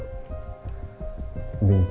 saya kan ini enggak